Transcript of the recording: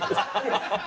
ハハハハ！